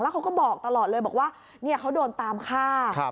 เขาก็บอกตลอดเลยบอกว่าเขาโดนตามฆ่า